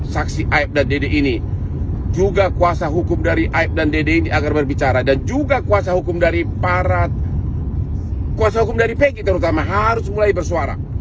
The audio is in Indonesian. saksi aib dan dede ini juga kuasa hukum dari aib dan dede ini agar berbicara dan juga kuasa hukum dari para kuasa hukum dari pg terutama harus mulai bersuara